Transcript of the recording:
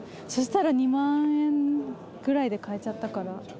そしたら２万円ぐらいで買えちゃったから。